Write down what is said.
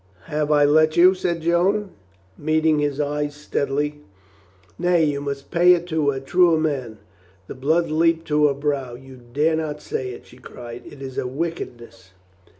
"Have I let you?" said Joan, meeting his eyes steadily. "Nay, you must pay it to a truer man." The blood leaped to her brow. "You dare not say it!" she cried. "It is a wickedness!"